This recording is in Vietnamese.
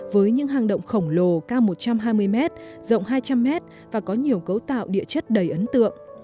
với những hang động khổng lồ cao một trăm hai mươi m rộng hai trăm linh m và có nhiều cấu tạo địa chất đầy ấn tượng